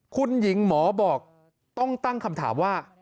คุณหญิงหมอบอกต้องตั้งคำถามว่า